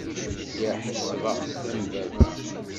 Lliɣ ḥesbeɣ-t am baba.